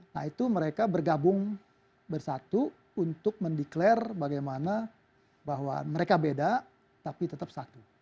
nah itu mereka bergabung bersatu untuk mendeklarasi bagaimana bahwa mereka beda tapi tetap satu